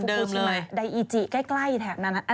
ฟุกุชิมะไดอิจิใกล้แถบนั้นนะ